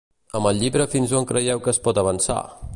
Amb el llibre fins on creieu que es pot avançar?